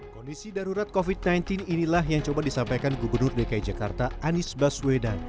kondisi darurat covid sembilan belas inilah yang coba disampaikan gubernur dki jakarta anies baswedan